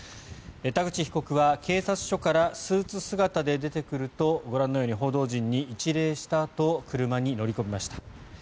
田口被告は警察署からスーツ姿で出てくるとご覧のように報道陣に一礼したあと車に乗り込みました。